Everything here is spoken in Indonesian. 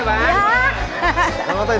mak marah sih ya bang